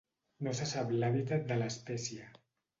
No se sap l'hàbitat de l'espècie.